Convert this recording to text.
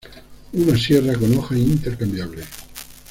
Una sierra con hoja intercambiable.